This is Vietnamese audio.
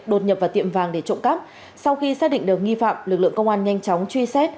đột nhập vào tiệm vàng để trộm cắp sau khi xác định được nghi phạm lực lượng công an nhanh chóng truy xét